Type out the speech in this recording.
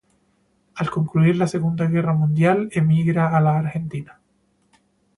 Al concluir la segunda guerra mundial emigra a la Argentina.